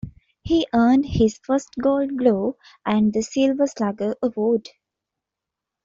He earned his first Gold Glove and the Silver Slugger Award.